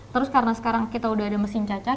terus karena sekarang kita udah ada mesin caca